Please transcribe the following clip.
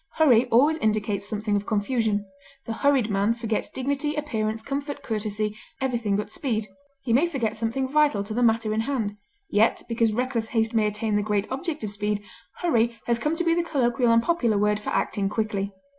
Hurry always indicates something of confusion. The hurried man forgets dignity, appearance, comfort, courtesy, everything but speed; he may forget something vital to the matter in hand; yet, because reckless haste may attain the great object of speed, hurry has come to be the colloquial and popular word for acting quickly.